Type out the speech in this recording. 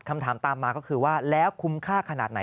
คำถามตามมาก็คือว่าแล้วคุ้มค่าขนาดไหน